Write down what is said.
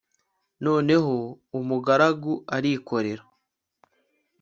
Noneho umugaragu arikorera